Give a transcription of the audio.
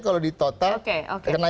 kalau di total